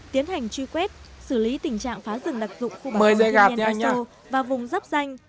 tiến hành truy quét xử lý tình trạng phá rừng đặc dụng khu bảo tồn thiên nhiên easo và vùng giáp danh